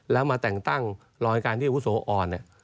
แล้วมาแต่งตั้งรอยการที่อาวุโสอ่อน